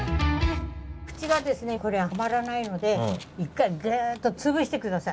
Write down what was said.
口がですねこれはまらないので一回ぐっと潰して下さい。